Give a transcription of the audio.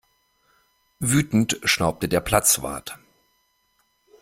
Wütend schnaubte der Platzwart.